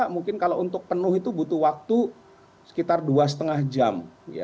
mungkin kalau untuk penuh itu butuh waktu sekitar dua lima jam